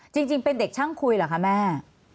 จริงเป็นเด็กช่างคุยเหรอคะแม่